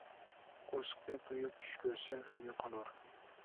قورسىقى تويۇپ چۈش كۆرسە غەمگە قالۇر.